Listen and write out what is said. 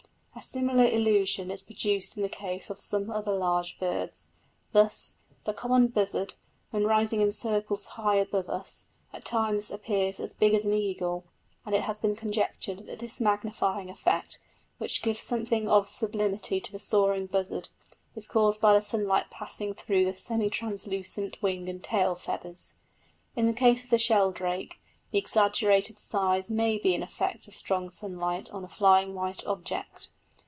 A similar illusion is produced in the case of some other large birds. Thus, the common buzzard, when rising in circles high above us, at times appears as big as an eagle, and it has been conjectured that this magnifying effect, which gives something of sublimity to the soaring buzzard, is caused by the sunlight passing through the semi translucent wing and tail feathers. In the case of the sheldrake, the exaggerated size may be an effect of strong sunlight on a flying white object.